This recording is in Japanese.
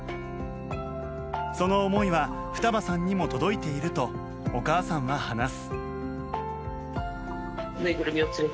その思いは、双葉さんにも届いているとお母さんは話す。